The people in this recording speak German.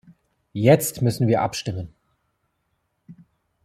Jetzt müssen wir abstimmen.